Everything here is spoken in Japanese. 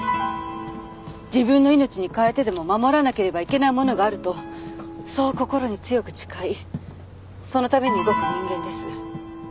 自分の命に代えてでも守らなければいけないものがあるとそう心に強く誓いそのために動く人間です。